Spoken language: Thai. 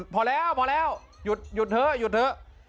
พอแล้วหยุดเถอะ